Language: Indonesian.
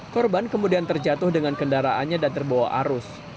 korban kemudian terjatuh dengan kendaraannya dan terbawa arus